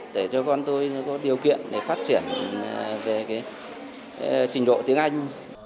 để cho con tôi có điều kiện để phát triển về trình độ tiếng anh